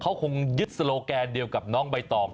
เขาคงยึดโลแกนเดียวกับน้องใบตอง